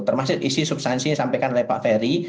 termasuk isi substansi yang disampaikan oleh pak ferry